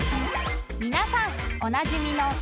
［皆さんおなじみの］